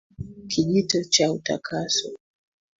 Kijito cha utakaso